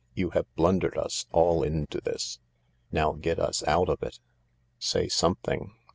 " You have blundered us all into this. Now get us out of it. Say something.